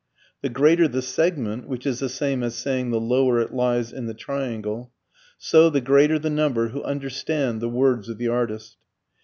The greater the segment (which is the same as saying the lower it lies in the triangle) so the greater the number who understand the words of the artist.